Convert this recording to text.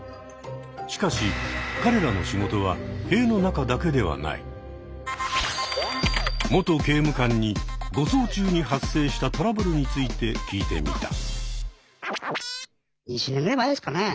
しかし彼らの仕事は元刑務官に護送中に発生したトラブルについて聞いてみた。